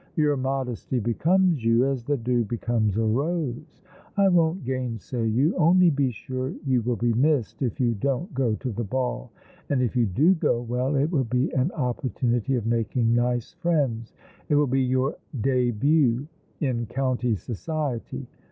" Your modesty becomes you as the dew becomes a rose. I won't gainsay you — only be sure you will be missed if you don't go to the ball. And if you do go — well, it will be an opportunity of making nice friends. It will be your dehut in county society."